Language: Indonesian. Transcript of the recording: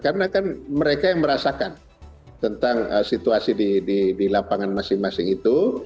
karena kan mereka yang merasakan tentang situasi di lapangan masing masing itu